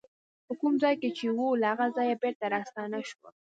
په کوم ځای کې چې وه له هغه ځایه بېرته راستنه شوه.